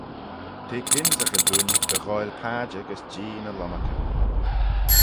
T'eh gynsaghey dooin dy ghoaill padjer gys Jee ny lomarcan.